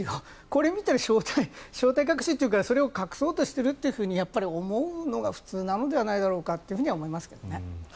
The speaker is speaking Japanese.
これを見たら正体隠しというかそれを隠そうとしていると思うのが普通なのではないだろうかと思いますね。